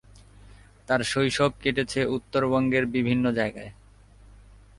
তার শৈশব কেটেছে উত্তরবঙ্গের বিভিন্ন জায়গায়।